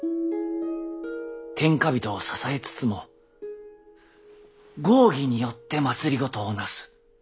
天下人を支えつつも合議によって政をなす。